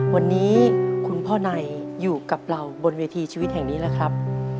วันนี้คุณพ่อในอยู่กับเราบนเวทีชีวิตแห่งนี้แล้วครับ